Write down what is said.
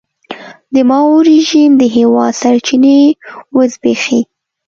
د ماوو رژیم د هېواد سرچینې وزبېښي.